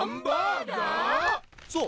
そう。